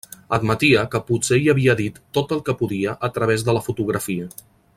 Admetia que potser hi havia dit tot el que podia a través de la fotografia.